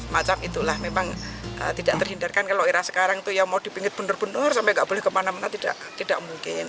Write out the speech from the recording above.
macam itulah memang tidak terhindarkan kalau era sekarang itu ya mau dipingit benar benar sampai nggak boleh kemana mana tidak mungkin